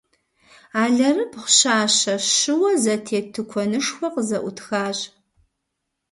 Алэрыбгъу щащэ, щыуэ зэтет тыкуэнышхуэ къызэӏутхащ.